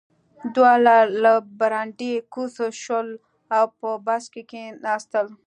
دواړه له برنډې کوز شول او په بس کې کېناستل